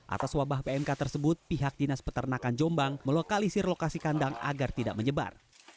atas wabah pmk tersebut pihak dinas peternakan jombang melokalisir lokasi kandang agar tidak menyebar